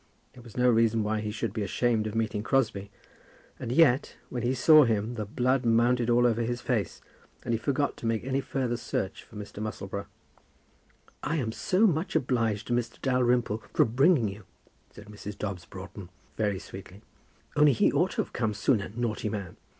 There was no reason why he should be ashamed of meeting Crosbie; and yet, when he saw him, the blood mounted all over his face, and he forgot to make any further search for Mr. Musselboro. "I am so much obliged to Mr. Dalrymple for bringing you," said Mrs. Dobbs Broughton very sweetly, "only he ought to have come sooner. Naughty man!